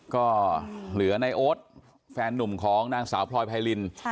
ก็เหลือในโอ๊ตแฟนนุ่มของนางสาวพลอยไพริน